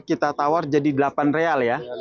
kita tawar jadi delapan real ya